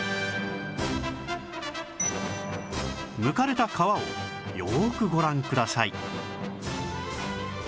むかれた皮をよくご覧ください